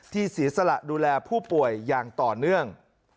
เสียสละดูแลผู้ป่วยอย่างต่อเนื่อง